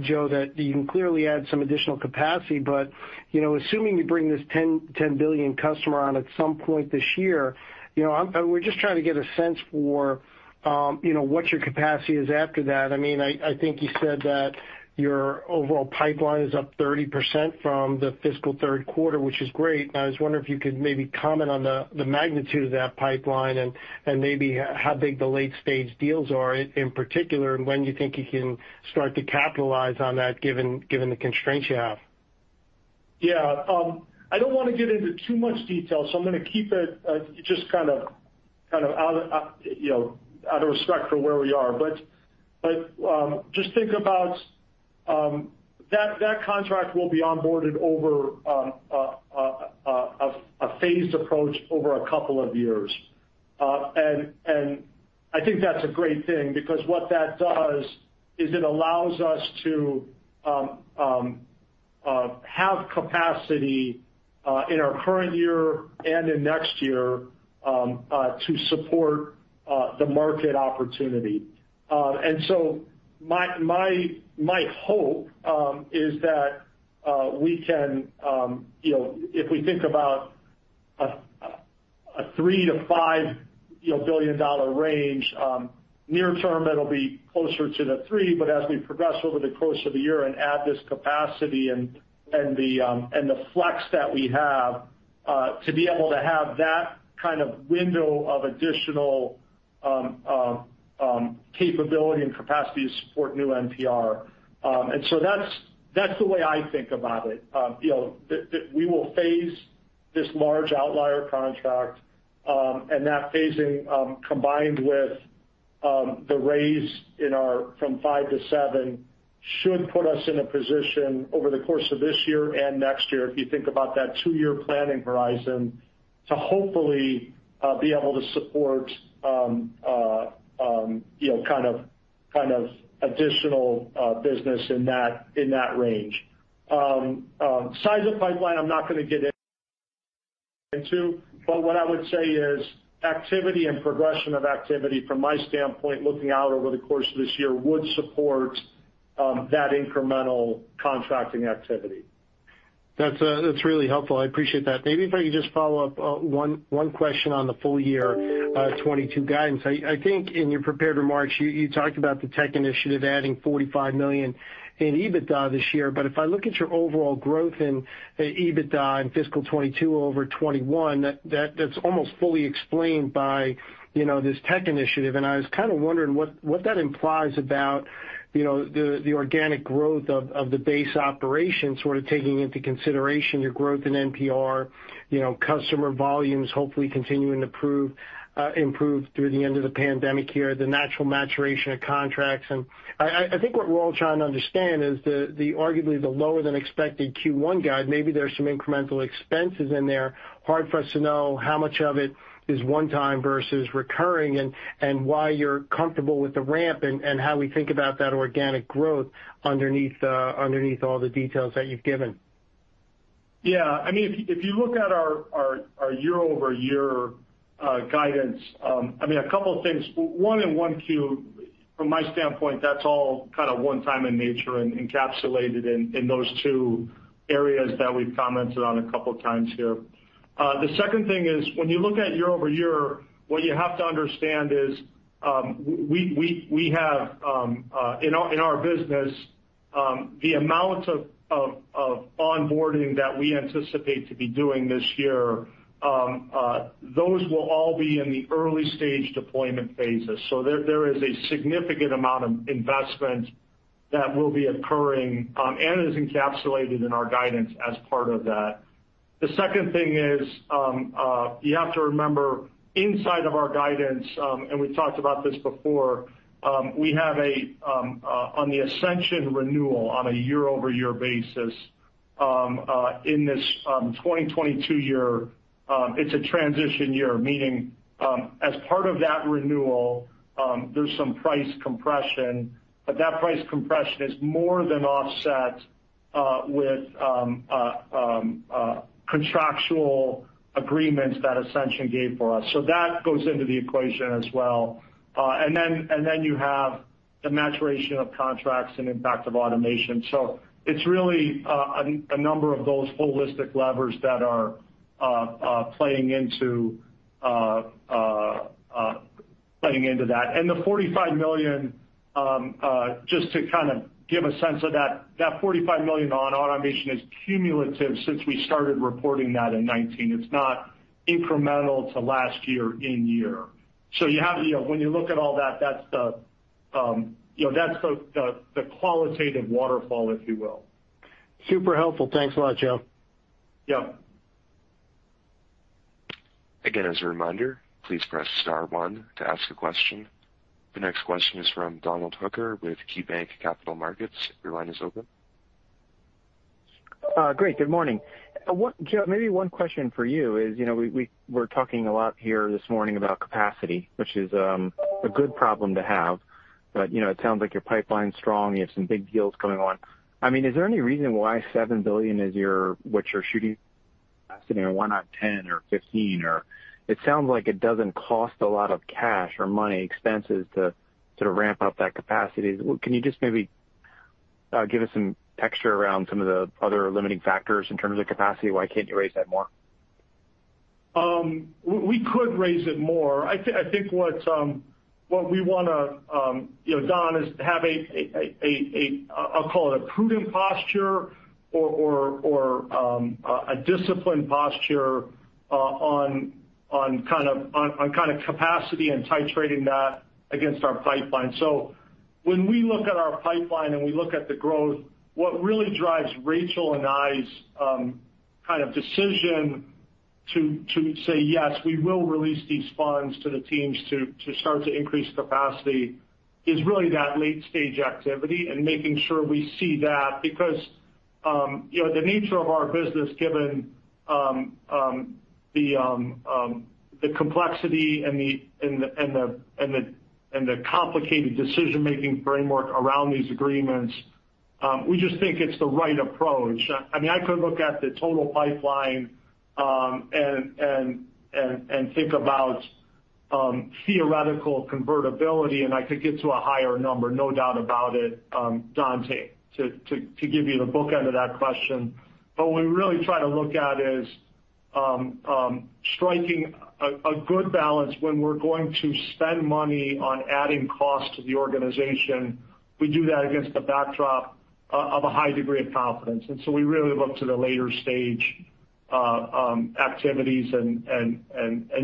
Joe, that you can clearly add some additional capacity, but you know, assuming you bring this $10 billion customer on at some point this year, you know, we're just trying to get a sense for what your capacity is after that. I mean, I think you said that your overall pipeline is up 30% from the fiscal third quarter, which is great. I was wondering if you could maybe comment on the magnitude of that pipeline and maybe how big the late-stage deals are in particular, and when you think you can start to capitalize on that, given the constraints you have. Yeah. I don't wanna get into too much detail, so I'm gonna keep it just kind of out of respect for where we are. Just think about that contract will be onboarded over a phased approach over a couple of years. I think that's a great thing because what that does is it allows us to have capacity in our current year and in next year to support the market opportunity. My hope is that we can, you know, if we think about a $3 billion to $5 billion range near term, it'll be closer to the $3 billion. As we progress over the course of the year and add this capacity and the flex that we have to be able to have that kind of window of additional capability and capacity to support new NPR. That's the way I think about it. You know, that we will phase this large outlier contract, and that phasing combined with the raise in our from $5 billion to $7 billion should put us in a position over the course of this year and next year, if you think about that two-year planning horizon, to hopefully be able to support you know, kind of additional business in that range. Size of pipeline, I'm not gonna get into. What I would say is activity and progression of activity from my standpoint, looking out over the course of this year, would support that incremental contracting activity. That's really helpful. I appreciate that. Maybe if I could just follow up, one question on the full year 2022 guidance. I think in your prepared remarks, you talked about the tech initiative adding $45 million in EBITDA this year. If I look at your overall growth in EBITDA in fiscal 2022 over 2021, that's almost fully explained by, you know, this tech initiative. I was kind of wondering what that implies about, you know, the organic growth of the base operation, sort of taking into consideration your growth in NPR, you know, customer volumes hopefully continuing to improve through the end of the pandemic here, the natural maturation of contracts. I think what we're all trying to understand is arguably the lower than expected Q1 guide. Maybe there's some incremental expenses in there. Hard for us to know how much of it is one time versus recurring and why you're comfortable with the ramp and how we think about that organic growth underneath all the details that you've given. Yeah. I mean, if you look at our year-over-year guidance, I mean, a couple of things. One, in 1Q, from my standpoint, that's all kind of one-time in nature and encapsulated in those two areas that we've commented on a couple of times here. The second thing is, when you look at year-over-year, what you have to understand is, we have, in our business, the amount of onboarding that we anticipate to be doing this year, those will all be in the early stage deployment phases. There is a significant amount of investment that will be occurring and is encapsulated in our guidance as part of that. The second thing is you have to remember inside of our guidance and we talked about this before we have on the Ascension renewal on a year-over-year basis in this 2022 year it's a transition year meaning as part of that renewal there's some price compression but that price compression is more than offset with contractual agreements that Ascension gave for us. That goes into the equation as well. You have the maturation of contracts and impact of automation. It's really a number of those holistic levers that are playing into that. The $45 million just to kind of give a sense of that $45 million on automation is cumulative since we started reporting that in 2019. It's not incremental to last year year-over-year. You have, you know, when you look at all that's the quantitative waterfall, if you will. Super helpful. Thanks a lot, Joe. Yeah. Again, as a reminder, please press star one to ask a question. The next question is from Donald Hooker with KeyBanc Capital Markets. Your line is open. Great. Good morning. Joe, maybe one question for you is, you know, we're talking a lot here this morning about capacity, which is a good problem to have. You know, it sounds like your pipeline's strong. You have some big deals going on. I mean, is there any reason why $7 billion is your, what you're shooting why not $10 billion or $15 billion. It sounds like it doesn't cost a lot of cash or money expenses to ramp up that capacity. Can you just maybe give us some texture around some of the other limiting factors in terms of capacity? Why can't you raise that more? We could raise it more. I think what we wanna, you know, Don, is have a, I'll call it a prudent posture or a disciplined posture on kind of capacity and titrating that against our pipeline. When we look at our pipeline and we look at the growth, what really drives Rachel and I's kind of decision to say, "Yes, we will release these funds to the teams to start to increase capacity," is really that late-stage activity and making sure we see that because, you know, the nature of our business, given the complexity and the complicated decision-making framework around these agreements, we just think it's the right approach. I mean, I could look at the total pipeline and think about theoretical convertibility, and I could get to a higher number, no doubt about it, Don, to give you the bookend of that question. What we really try to look at is striking a good balance when we're going to spend money on adding cost to the organization. We do that against the backdrop of a high degree of confidence. We really look to the later stage activities and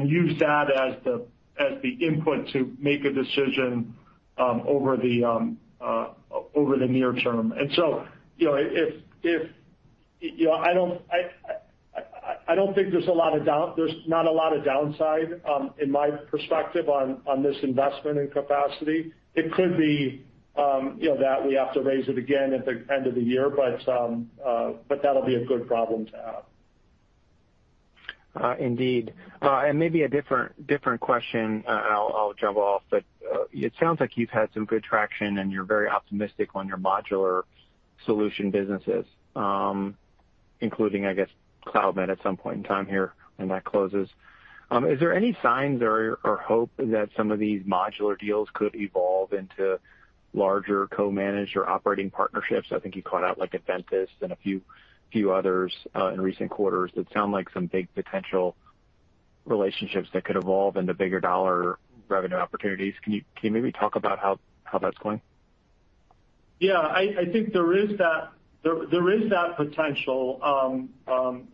use that as the input to make a decision over the near term. You know, if you know, I don't think there's a lot of downside in my perspective on this investment in capacity. It could be you know, that we have to raise it again at the end of the year, but that'll be a good problem to have. Indeed. And maybe a different question. I'll jump off, but it sounds like you've had some good traction and you're very optimistic on your modular solution businesses, including, I guess, Cloudmed at some point in time here when that closes. Is there any signs or hope that some of these modular deals could evolve into larger co-managed or operating partnerships? I think you called out, like, Adventist Health and a few others in recent quarters that sound like some big potential relationships that could evolve into bigger dollar revenue opportunities. Can you maybe talk about how that's going? Yeah. I think there is that potential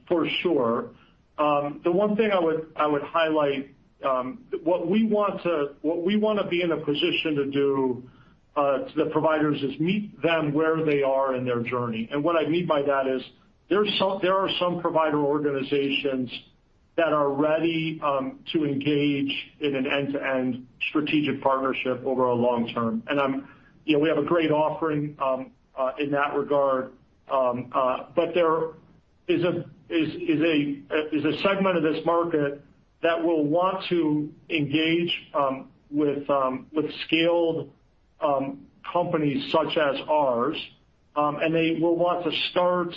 for sure. The one thing I would highlight is what we wanna be in a position to do to the providers is meet them where they are in their journey. What I mean by that is there are some provider organizations that are ready to engage in an end-to-end strategic partnership over a long term. You know, we have a great offering in that regard. There is a segment of this market that will want to engage with scaled companies such as ours, and they will want to start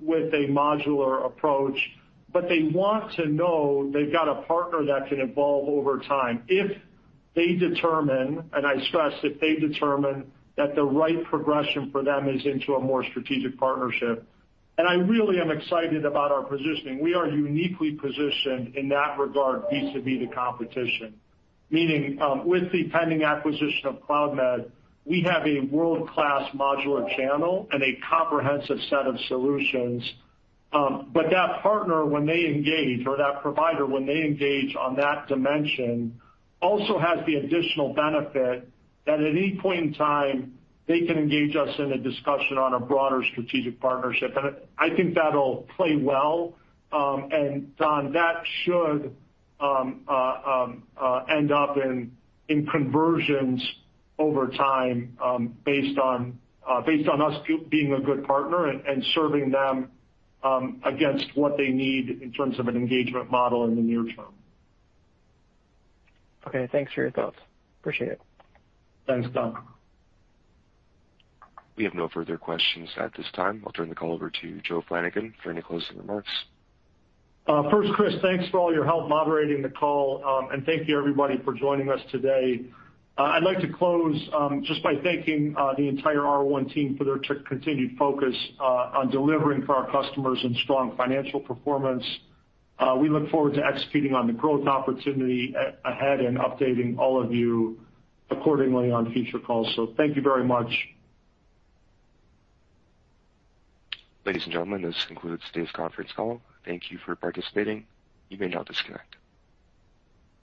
with a modular approach, but they want to know they've got a partner that can evolve over time if they determine, and I stress, if they determine that the right progression for them is into a more strategic partnership. I really am excited about our positioning. We are uniquely positioned in that regard vis-à-vis the competition. Meaning, with the pending acquisition of Cloudmed, we have a world-class modular channel and a comprehensive set of solutions. That partner, when they engage, or that provider when they engage on that dimension, also has the additional benefit that at any point in time, they can engage us in a discussion on a broader strategic partnership. I think that'll play well. Don, that should end up in conversions over time, based on us being a good partner and serving them against what they need in terms of an engagement model in the near term. Okay. Thanks for your thoughts. Appreciate it. Thanks, Don. We have no further questions at this time. I'll turn the call over to Joe Flanagan for any closing remarks. First, Chris, thanks for all your help moderating the call, and thank you everybody for joining us today. I'd like to close just by thanking the entire R1 team for their continued focus on delivering for our customers and strong financial performance. We look forward to executing on the growth opportunity ahead and updating all of you accordingly on future calls. Thank you very much. Ladies and gentlemen, this concludes today's conference call. Thank you for participating. You may now disconnect.